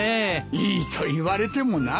いいと言われてもなあ。